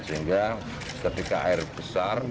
sehingga ketika air besar